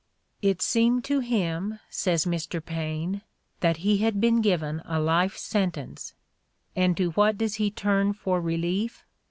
It seemed to him, says Mr. Paine, "that he had been given a life sentence." And to what does he turn for relief?